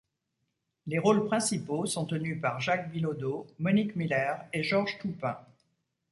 Les rôles principaux sont tenus par Jacques Bilodeau, Monique Miller et Georges Toupin.